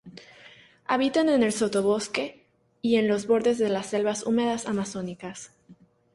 Habitan en el sotobosque y en los bordes de selvas húmedas amazónicas.